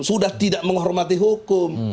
sudah tidak menghormati hukum